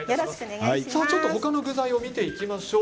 他の具材を見ていきましょう。